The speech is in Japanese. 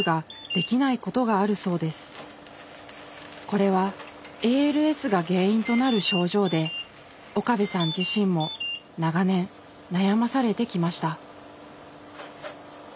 これはＡＬＳが原因となる症状で岡部さん自身も長年悩まされてきました。